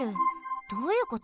どういうこと？